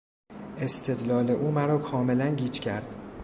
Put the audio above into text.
استدلال او مرا کاملا گیج کرد.